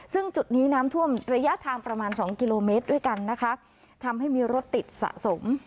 ซึ่งจุดนี้น้ำท่วมระยะทางประมาณสองกิโลเมตรด้วยกันนะคะทำให้มีรถติดสะสม